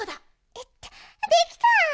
えっとできた！